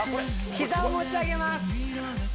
膝を持ち上げます